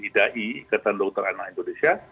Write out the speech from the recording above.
idai ikatan dokter anak indonesia